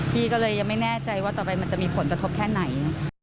พี่ก็เลยยังไม่แน่ใจว่าต่อไปมันจะมีผลกระทบแค่ไหน